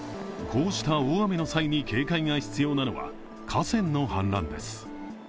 こうした大雨の際に警戒が必要なのは河川の氾濫です。